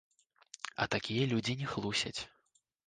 А такія людзі не хлусяць.